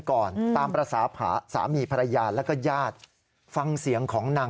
ตอนนี้สังเกตุจริงพี่เชื่อว่าเมียพี่ท้องไหม